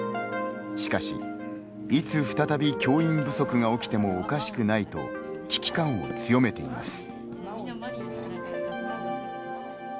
しかし、いつ再び教員不足が起きてもおかしくないと危機感を強めています。